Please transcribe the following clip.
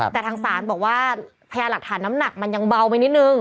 แต่ทางศาลบอกว่าพยาหลักฐานน้ำหนักมันยังเบาไปนิดนึง